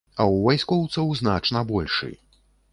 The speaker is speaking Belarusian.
А ў вайскоўцаў значна большы.